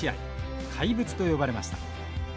怪物と呼ばれました。